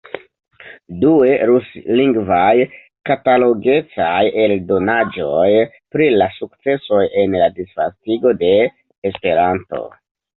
Due, ruslingvaj, katalogecaj eldonaĵoj pri la sukcesoj en la disvastigo de Esperanto.